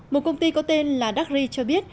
một công ty có tên là dakri cho biết